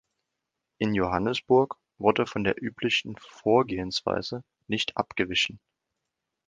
In Johannesburg wurde von der üblichen Vorgehensweise nicht abgewichen.